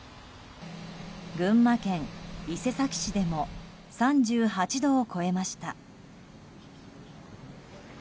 群馬県伊勢崎市でも３８度を超えました。